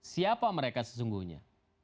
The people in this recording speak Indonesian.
siapa mereka sesungguhnya